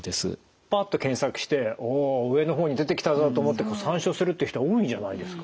パッと検索して「おお上の方に出てきたぞ」と思って参照するって人は多いんじゃないですか？